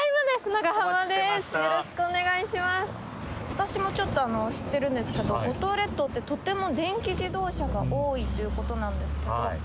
私もちょっと知ってるんですけど五島列島ってとても電気自動車が多いということなんですけど。